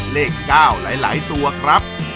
เลข๙หลายตัวครับ